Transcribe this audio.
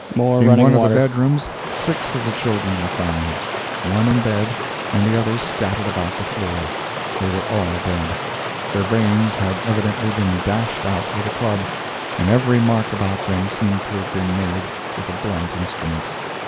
In one of the bedrooms six of the children were found, one in bed and the others scattered about the floor. They were all dead. Their brains had evidently been dashed out with a club, and every mark about them seemed to have been made with a blunt instrument.